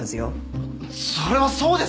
それはそうですけど。